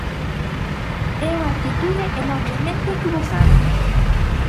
É unha actitude enormemente equivocada.